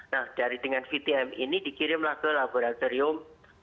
nah dari dengan vtm ini dikirimlah ke laboratorium